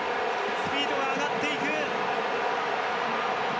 スピードが上がっていく。